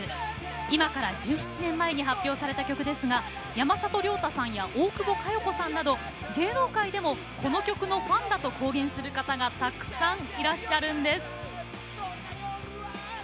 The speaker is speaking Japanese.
今から１７年前に発表された曲ですが、山里亮太さんや大久保佳代子さんなど芸能界でもこの曲のファンだと公言する方がたくさんいらっしゃるんです。